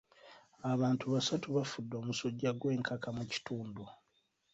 Abantu basatu bafudde omusujja gw'enkaka mu kitundu